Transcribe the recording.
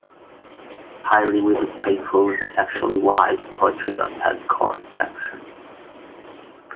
Highly witty, playful, and sexually wise poetry thus had court sanction.